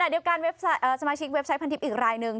เดียวกันสมาชิกเว็บไซต์พันทิพย์อีกรายหนึ่ง